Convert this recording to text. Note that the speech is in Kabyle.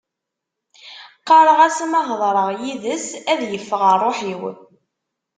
Qqareɣ-as ma hedreɣ yid-s ad yeffeɣ rruḥ-iw.